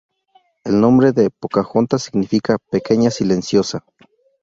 El nombre de Pocahontas significa "Pequeña Silenciosa".